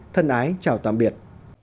thân ái chào tạm biệt